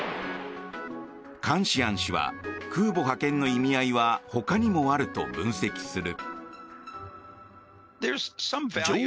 カンシアン氏は空母派遣の意味合いは他にもあると分析する。